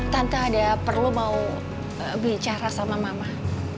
tante ada perlu mau bicara sama mamah